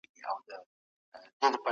ایا نوي کروندګر جلغوزي اخلي؟